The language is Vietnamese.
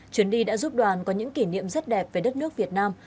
chuyến đi đã giúp đoàn có những kỷ niệm rất đẹp về đất nước việt nam